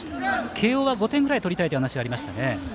慶応は５点ぐらい取りたいという話がありました。